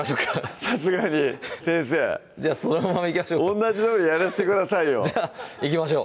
さすがに先生じゃあそのままいきましょうか同じようにやらしてくださいよじゃあいきましょう